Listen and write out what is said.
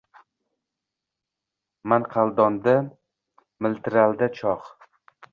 Manqaldonda miltillardi cho’g’…